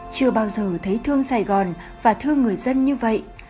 chưa bao giờ thấy thương sài gòn và thương người dân như vậy